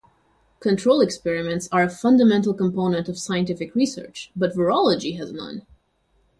Control experiments are a fundamental component of scientific research but virology has none.